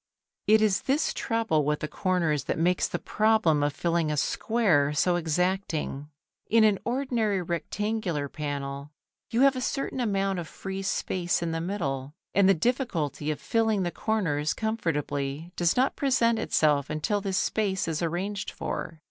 It is this trouble with the corners that makes the problem of filling a square so exacting. In an ordinary rectangular panel you have a certain amount of free space in the middle, and the difficulty of filling the corners comfortably does not present itself until this space is arranged for.